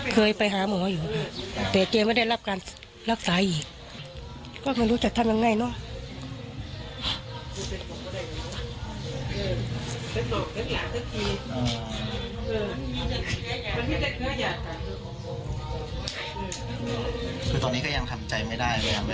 เคยไปหาหมออยู่แต่แกไม่ได้รับการรักษาอีกก็ไม่รู้จะทำยังไงเนอะ